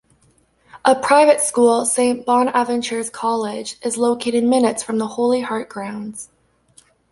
A private school, Saint Bonaventure's College, is located minutes from the Holy Heart grounds.